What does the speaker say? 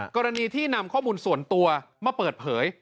กรณีที่นำข้อมูลส่วนตัวมาเปิดเผย